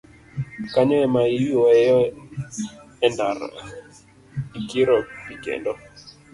Kanyo ema iyweyo e ndara, ikiro pi kendo